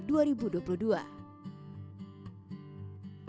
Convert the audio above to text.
di tahun dua ribu dua puluh dua